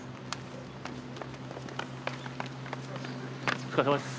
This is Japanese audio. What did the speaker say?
お疲れさまです。